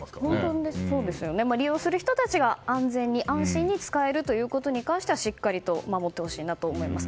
利用する人たちが安全に安心に使えるということに関してはしっかりと守ってほしいと思います。